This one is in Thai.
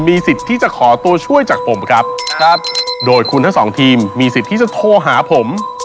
มีสิทธิ์ที่จะขอตัวช่วยจากผมครับครับโดยคุณทั้งสองทีมมีสิทธิ์ที่จะโทรหาผม